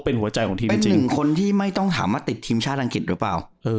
เป็นหัวใจของทีมจริงคนที่ไม่ต้องถามว่าติดทีมชาติอังกฤษหรือเปล่า